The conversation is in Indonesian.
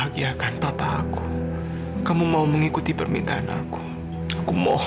aku akan balas semua kebaikan kamu